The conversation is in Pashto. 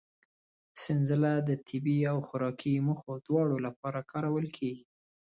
سنځله د طبي او خوراکي موخو دواړو لپاره کارول کېږي.